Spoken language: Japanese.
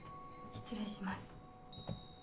失礼します。